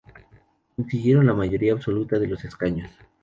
Consiguieron la mayoría absoluta de los escaños.